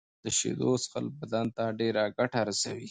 د شېدو څښل بدن ته ډيره ګټه رسوي.